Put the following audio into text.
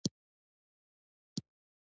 چې مازغه د مسلسل سوچ د پاره وېخ وي